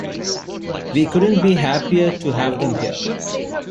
We couldn't be happier to have them here.